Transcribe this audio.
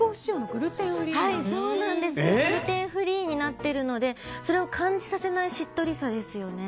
グルテンフリーになっているのでそれを感じさせないしっとりさですよね。